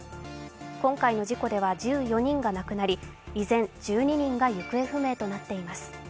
今回の事故では１４人が亡くなり依然、１２人が行方不明となっています。